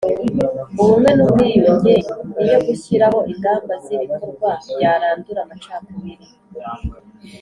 Ubumwe n ubwiyunge n iyo gushyiraho ingamba z ibikorwa byarandura amacakubiri